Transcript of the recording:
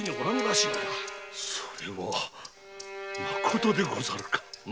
それはまことでござるか？